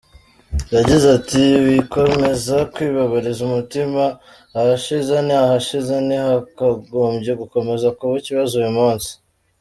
Yagize ati “Wikomeza kwibabariza umutima, ahashize ni ahashije ntihakagombye gukomeza kuba ikibazo uyu munsi.